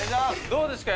どうですか？